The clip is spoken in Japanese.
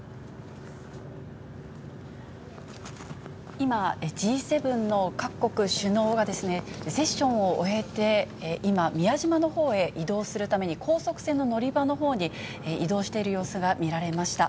今、Ｇ７の各国首脳がですね、セッションを終えて、今、宮島のほうへ移動するために、高速船の乗り場のほうに移動している様子が見られました。